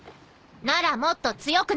ならもっと強くなるの。